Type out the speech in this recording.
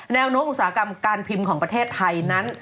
แนวโน้มอุตสาหกรรมการพิมพ์ของประเทศไทยนั้น